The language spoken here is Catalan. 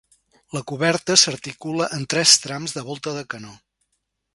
La coberta s'articula en tres trams de volta de canó.